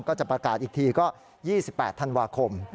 ก็จะประกาศอีกทีก็๒๘ธันวาคม